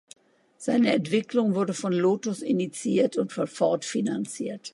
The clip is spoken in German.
Seine Entwicklung wurde von Lotus initiiert und von Ford finanziert.